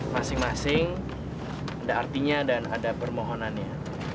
masing masing ada artinya dan ada permohonannya